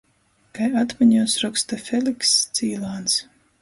Kai atmiņuos roksta Felikss Cīlāns.